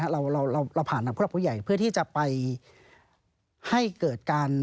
เราผ่านทางผู้หลักผู้ใหญ่เพื่อที่จะไปให้เกิดการ